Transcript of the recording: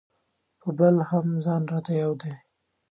په بل هم ځان راته یو دی.